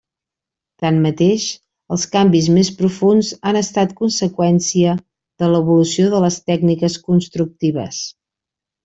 Tanmateix, els canvis més profunds han estat conseqüència de l'evolució de les tècniques constructives.